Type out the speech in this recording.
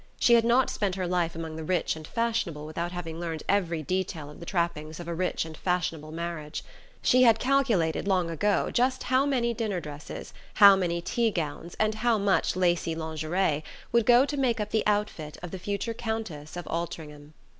She had not spent her life among the rich and fashionable without having learned every detail of the trappings of a rich and fashionable marriage. She had calculated long ago just how many dinner dresses, how many tea gowns and how much lacy lingerie would go to make up the outfit of the future Countess of Altringham.